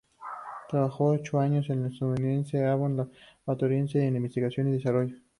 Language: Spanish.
Trabajó ocho años en la estadounidense "Abbott Laboratories", en investigación y desarrollo.